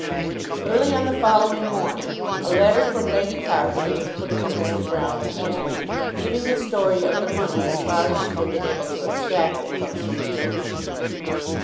Early on the following morning a letter from Lady Carbury was put into Mr. Broune's hands, giving the story of the money as far as she had been able to extract it from Sir Felix.